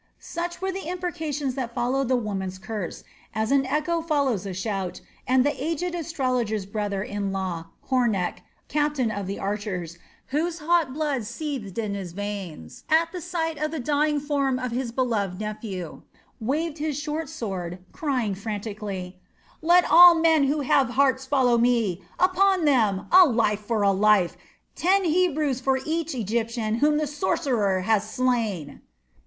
Such were the imprecations that followed the woman's curse, as an echo follows a shout, and the aged astrologer's brother in law Hornecht, captain of the archers, whose hot blood seethed in his veins at the sight of the dying form of his beloved nephew, waved his short sword, crying frantically: "Let all men who have hearts follow me. Upon them! A life for a life! Ten Hebrews for each Egyptian whom the sorcerer has slain!"